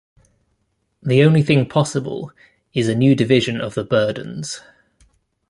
The only thing possible is a new division of the burdens.